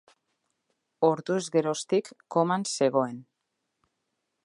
Orduz geroztik koman zegoen.